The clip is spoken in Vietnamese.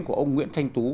của ông nguyễn thanh tú